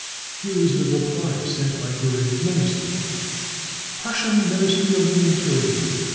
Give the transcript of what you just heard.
Here is the reply sent by Goering's Ministry :" Prussian Ministry of the Interior.